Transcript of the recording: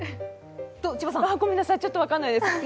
ごめんなさい、ちょっと分からないです。